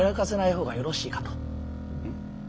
うん？